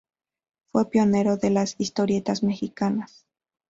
Fue pionero de las historietas mexicanas.